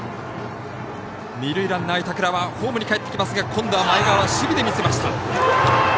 二塁ランナー、板倉はホームにかえってきますが今度は前川、守備で見せました。